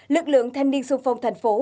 lực lượng thanh niên xung phong thành phố